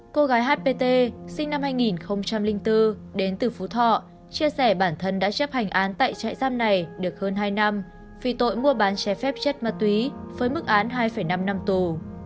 cô gái hpt sinh năm hai nghìn bốn đến từ phú thọ chia sẻ bản thân đã chấp hành án tại trại giam này được hơn hai năm vì tội mua bán trái phép chất ma túy với mức án hai năm năm tù